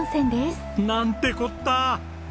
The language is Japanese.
なんてこった！